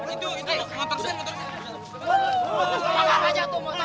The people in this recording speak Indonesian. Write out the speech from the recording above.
itu itu motornya